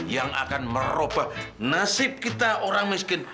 yang akan merubah nasib kita orang miskin